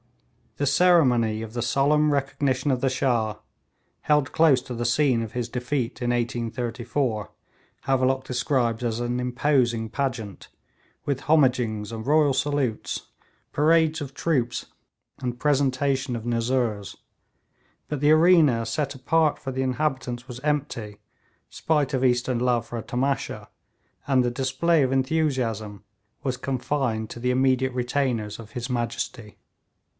The ceremony of the solemn recognition of the Shah, held close to the scene of his defeat in 1834, Havelock describes as an imposing pageant, with homagings and royal salutes, parade of troops and presentation of nuzzurs; but the arena set apart for the inhabitants was empty, spite of Eastern love for a tamasha, and the display of enthusiasm was confined to the immediate retainers of His Majesty.